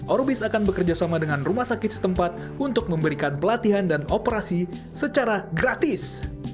orbis akan bekerja sama dengan rumah sakit setempat untuk memberikan pelatihan dan operasi secara gratis